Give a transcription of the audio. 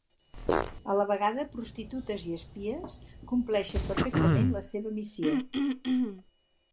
A la vegada prostitutes i espies, compleixen perfectament la seva missió.